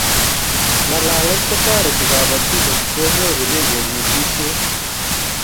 ngalalet kotareti kabatik kot konyorune kanetishiet